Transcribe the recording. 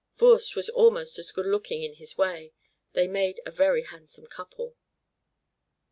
Voorst was almost as good looking in his way, they made a very handsome couple.